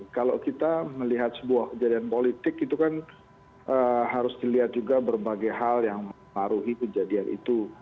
kalau kita melihat sebuah kejadian politik itu kan harus dilihat juga berbagai hal yang mengaruhi kejadian itu